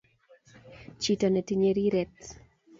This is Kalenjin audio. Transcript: chito netinye riret